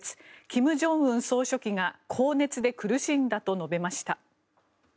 金正恩総書記が高熱で苦しんだと述べました。